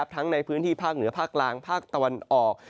ทั้งในพื้นที่ภาคเหนือภาคกลางภาคตะวันออก